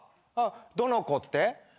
あっどの子って？